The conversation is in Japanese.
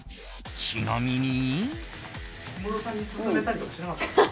ちなみに。